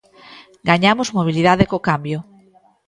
Gañamos mobilidade co cambio.